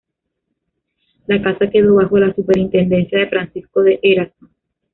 La casa quedó bajo la superintendencia de Francisco de Eraso.